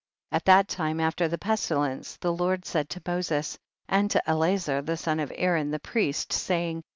1 . At that time after the pestilence, the Lord said to Moses, and to Elazer the son of Aaron the priest, saying, 2.